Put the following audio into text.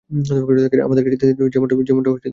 আমাদেরকে যেতে দিন, যেমনটা পার্টি বলেছিল।